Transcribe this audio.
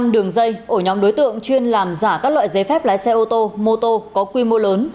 năm đường dây ổ nhóm đối tượng chuyên làm giả các loại giấy phép lái xe ô tô mô tô có quy mô lớn